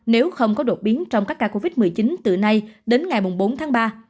nếu không có đột biến trong các ca covid một mươi chín từ nay đến ngày bốn tháng ba